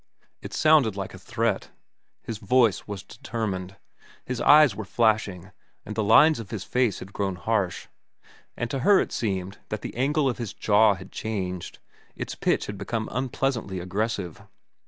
It sounded like a threat. His voice was determined, his eyes were flashing, the lines of his face had grown harsh. And to her it seemed that the angle of his jaw had changed; its pitch had become unpleasantly aggressive.